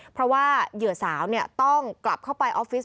เพราะว่าเหยื่อสาวต้องกลับเข้าไปออฟฟิศ